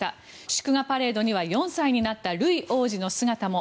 祝賀パレードには４歳になったルイ王子の姿も。